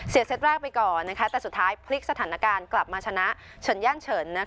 เซตแรกไปก่อนแต่สุดท้ายพลิกสถานการณ์กลับมาชนะเฉินย่านเฉิน